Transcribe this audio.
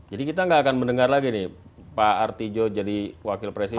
jadi kita enggak akan mendengar lagi nih pak artijo jadi wakil presiden